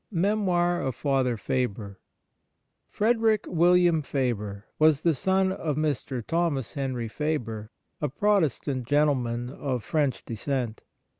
MEMOIR OF FATHER FABER Frederick William Faber was the son of Mr. Thomas Henry Faber, a Protestant gentleman of French descent.